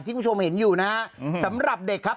คุณผู้ชมเห็นอยู่นะฮะสำหรับเด็กครับ